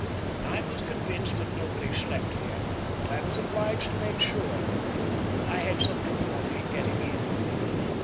"I was convinced that nobody slept here, but I was obliged to make sure. I had some difficulty in getting in."